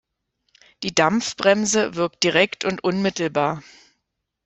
Die Dampfbremse wirkt direkt und unmittelbar.